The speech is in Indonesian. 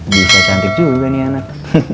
bisa cantik juga nih anak